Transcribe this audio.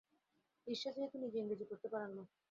ঈর্ষা– যেহেতু নিজে ইংরেজি পড়তে পারেন না।